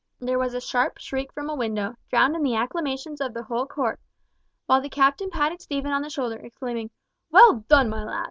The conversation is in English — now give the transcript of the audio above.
There was a sharp shriek from a window, drowned in the acclamations of the whole court, while the Captain patted Stephen on the shoulder, exclaiming, "Well done, my lad.